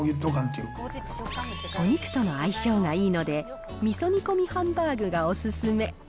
お肉との相性がいいので、みそ煮込みハンバーグがお勧め。